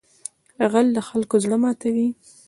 غل د خلکو زړه ماتوي